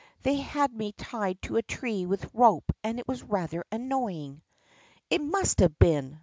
They had me tied to a tree with rope and it was rather annoying." "It must have been!"